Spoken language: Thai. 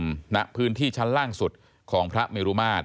ณพื้นที่ชั้นล่างสุดของพระเมรุมาตร